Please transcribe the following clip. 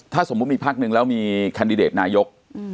ถ้าสมมุติมีพักนึงแล้วมีแคนดิเดตนายก